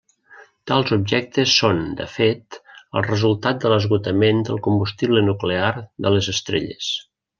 Tals objectes són, de fet, el resultat de l'esgotament del combustible nuclear de les estrelles.